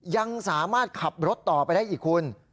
ยังสามารถขับรถต่อไปได้อีกคุณ